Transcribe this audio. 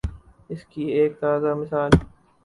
اس کی ایک تازہ مثال